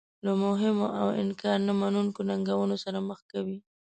له مهمو او انکار نه منونکو ننګونو سره مخ کوي.